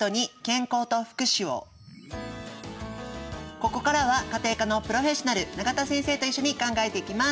ここからは家庭科のプロフェッショナル永田先生と一緒に考えていきます。